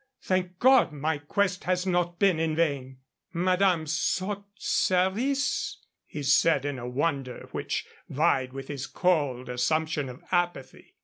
Thank God, my quest has not been in vain!" "Madame sought service?" he said, in a wonder which vied with his cold assumption of apathy.